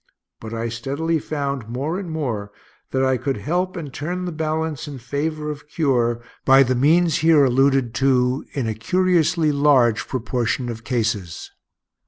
But I steadily found more and more that I could help, and turn the balance in favor of cure, by the means here alluded to, in a curiously large proportion of cases.